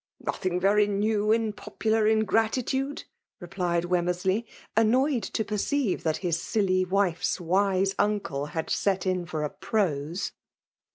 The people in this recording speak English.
" Nothing very new in popular ingratitude, replied Wemmersley, annoyed to perceive that his silly wife's wise uncle had set in for a prose.